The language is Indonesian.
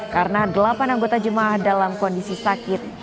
karena delapan anggota jemaah dalam kondisi sakit